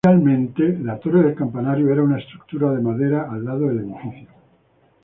Inicialmente, la torre del campanario era una estructura de madera al lado del edificio.